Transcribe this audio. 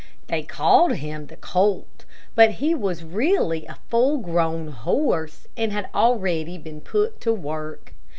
They called him the colt, but he was really a full grown horse, and had already been put to work.